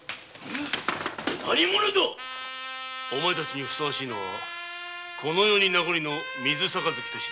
何者ぞお前たちにふさわしいのはこの世に名残の水杯と知れ。